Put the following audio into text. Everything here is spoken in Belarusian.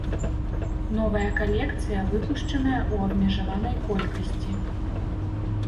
Новая калекцыя выпушчаная ў абмежаванай колькасці.